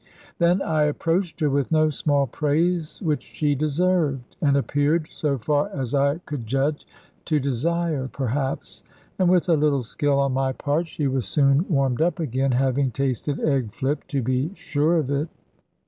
Then, I approached her with no small praise, which she deserved, and appeared (so far as I could judge) to desire, perhaps; and with a little skill on my part, she was soon warmed up again, having tasted egg flip, to be sure of it.